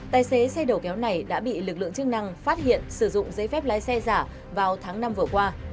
tài xế xe đầu kéo này đã bị lực lượng chức năng phát hiện sử dụng giấy phép lái xe giả vào tháng năm vừa qua